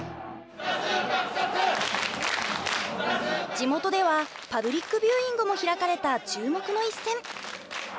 地元ではパブリックビューイングも開かれた注目の一戦。